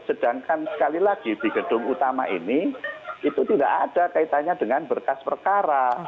sedangkan sekali lagi di gedung utama ini itu tidak ada kaitannya dengan berkas perkara